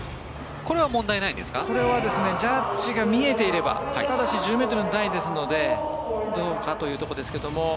これはジャッジが見えていればただし１０ｍの台なのでどうかというところですが。